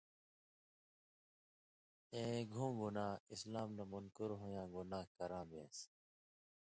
اېں گُھوں گناہ (اسلام نہ مُنکُر ہُوئ یاں گناہ) کراں بېن٘س۔